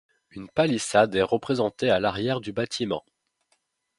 Une palissade est représentée à l'arrière du bâtiment.